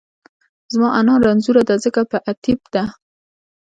زما انا رنځورۀ دۀ ځکه په اتېب دۀ